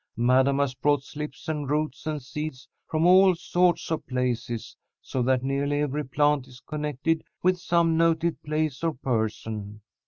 Madam has brought slips and roots and seeds from all sorts of places, so that nearly every plant is connected with some noted place or person.